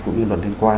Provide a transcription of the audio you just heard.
cũng như luật liên quan